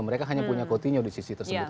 mereka hanya punya coutinho di sisi tersebut